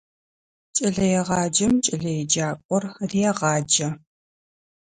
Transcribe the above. Кӏэлэегъаджэм кӏэлэеджакӏор регъаджэ.